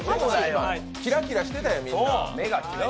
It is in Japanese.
キラキラしてたよ、みんな。